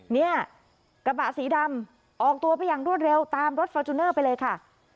เนี่ยกระบะสีดำออกตัวไปอย่างรวดเร็วตามรถฟอร์จูเนอร์ไปเลยค่ะ